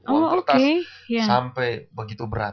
uang kertas sampai begitu berat